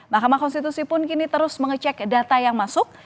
mahkamah konstitusi pun kini terus mengecek data yang masuk